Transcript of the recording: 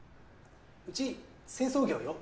うち清掃業よ？